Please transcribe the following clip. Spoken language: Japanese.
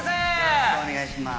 よろしくお願いします。